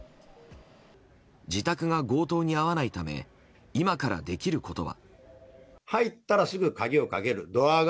自宅が強盗に遭わないため今からできることは。